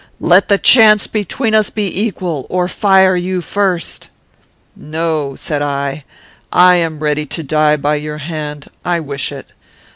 'Let the chance between us be equal, or fire you first.' "'No,' said I, 'I am ready to die by your hand. I wish it.